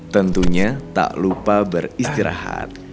tentunya tak lupa beristirahat